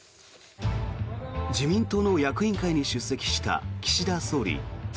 自民党の役員会に出席した岸田総理。